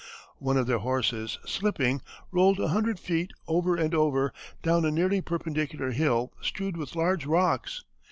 One of their horses, slipping, rolled a hundred feet, over and over, down a nearly perpendicular hill strewed with large rocks.